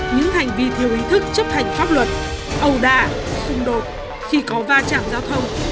những hành vi thiếu ý thức chấp hành pháp luật ầu đà xung đột khi có va chạm giao thông